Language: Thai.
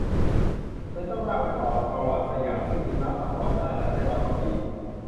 เลยต้องลากไปต่อกับประวัติสยาม ซึ่งนับมาก่อนหน้านั้นได้ร้อยกว่าปี